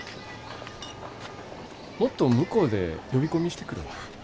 もっと向こうで呼び込みしてくるわ。